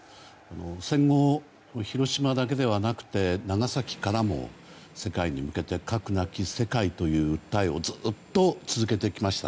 戦後、広島だけでなくて長崎からも世界に向けて核なき世界というのをずっと続けてきました。